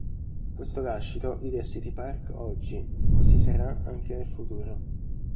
Questo lascito vive a City Park oggi, e così sarà anche nel futuro.